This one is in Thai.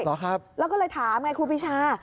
หรอครับแล้วก็เลยถามไงครูปีชา